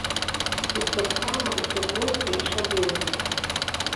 Тут таксама ўсё проста і шаблонна.